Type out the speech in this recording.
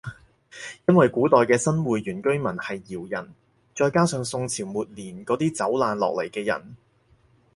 因為古代嘅新會原住民係瑤人再加上宋朝末年嗰啲走難落嚟嘅人